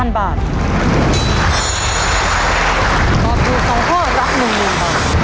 ตอบถูกสองข้อรับหนึ่งบาท